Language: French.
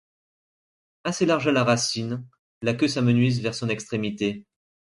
Assez large à la racine, la queue s'amenuise vers son extrémité.